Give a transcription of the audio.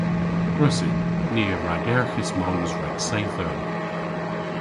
Gwrussyn. Ni a ragerghis moos rag seyth eur.